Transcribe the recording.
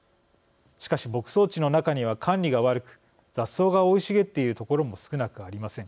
しかし、牧草地の中には管理が悪く雑草が生い茂っている所も少なくありません。